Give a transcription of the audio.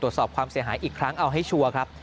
ความเสียหายอีกครั้งเอาให้ชัวร์ครับ